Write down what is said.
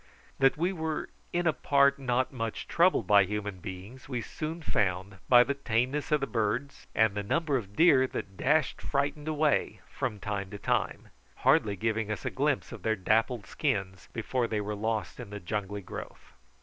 That we were in a part not much troubled by human beings we soon found by the tameness of the birds and the number of deer that dashed frightened away from time to time, hardly giving us a glimpse of their dappled skins before they were lost in the jungly growth.